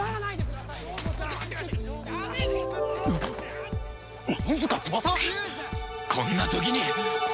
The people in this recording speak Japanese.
くっこんな時に！